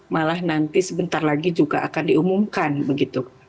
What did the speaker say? malah nanti sebentar lagi juga akan diumumkan begitu